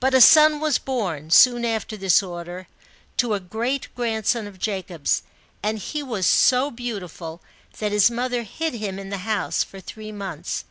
But a son was born, soon after this order, to a great grandson of Jacob's, and he was so beauti ful, that his mother hid him in the house, for three months.